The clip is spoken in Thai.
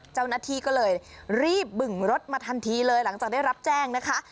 เจ้าหน้าที่ก็เลยรีบบึงรถมาทันทีเลยหลังจากได้รับแจ้งนะคะ